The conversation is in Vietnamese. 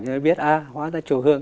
thì biết à hóa ra chủ hương